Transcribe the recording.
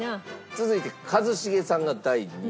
続いて一茂さんが第２位。